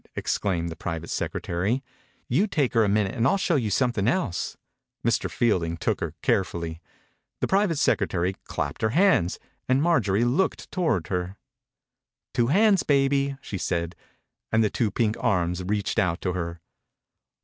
exclaimed the private secretary. "You take her a minute and FU show you something else." Mr. Fielding took her, care fully. The private secretary clapped her hands and Maijorie looked toward her. " Two hands, baby," she said, and the two pink arms reached out to her.